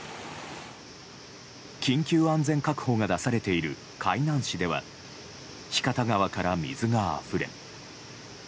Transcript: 緊急安全確保が出されている海南市では日方川から水があふれ。